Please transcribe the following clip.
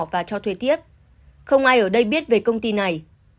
và cho thuê tiếp không ai ở đây biết về công ty này